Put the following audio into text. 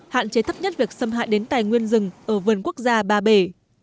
hạn chế thấp nhất việc xâm hại đến tài nguyên rừng ở vườn quốc gia ba bể